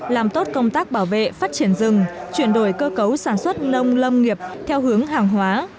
làm tốt công tác bảo vệ phát triển rừng chuyển đổi cơ cấu sản xuất nông lâm nghiệp theo hướng hàng hóa